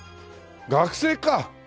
学生か！